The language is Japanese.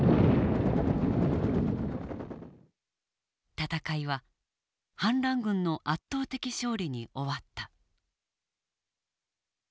戦いは反乱軍の圧倒的勝利に終わった。